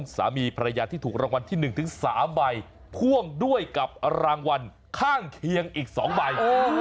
สามีภรรยาที่ถูกรางวัลที่๑๓ใบพ่วงด้วยกับรางวัลข้างเคียงอีก๒ใบ